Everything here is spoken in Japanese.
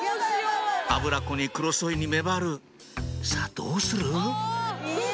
アブラコにクロソイにメバルさぁどうする？